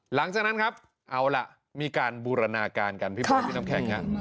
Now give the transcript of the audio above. หลังจากนั้นครับเอาล่ะมีการบูรณาการกันพี่เบิร์ดพี่น้ำแข็ง